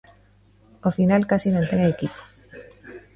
Ao final case non ten equipo.